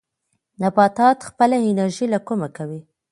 نباتات خپله انرژي له کومه کوي؟